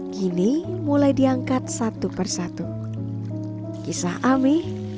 kini mulai diangkat satu persatu kisah amih